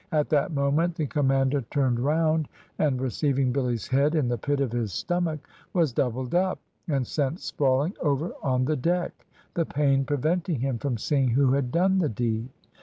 At that moment the commander turned round, and, receiving Billy's head in the pit of his stomach, was doubled up, and sent sprawling over on the deck, the pain preventing him from seeing who had done the deed.